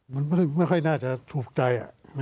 มันไม่ค่อยน่าจะถูกใจ